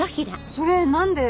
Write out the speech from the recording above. それ何で。